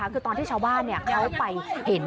คือตอนที่ชาวบ้านเขาไปเห็น